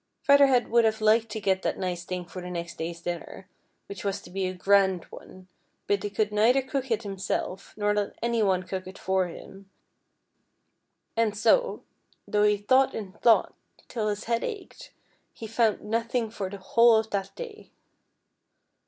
''" Feather Head would have liked to get that nice thing for the next day's dinner, which was to be a grand one ; but he could neither cook it himself nor let any one cook it for him, and so, though he thought and thought till his head ached, he found out nothing for the whole of that da\'.